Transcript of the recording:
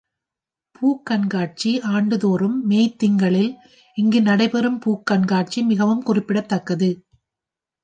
பூக் கண்காட்சி ஆண்டு தோறும் மேத் திங்களில் இங்கு நடை பெறும் பூக் கண்காட்சி மிகவும் குறிப்பிடத்தக்கது.